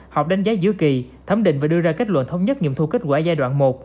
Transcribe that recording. họp đánh giá giữa kỳ thẩm định và đưa ra kết luận thống nhất nghiệm thu kết quả giai đoạn một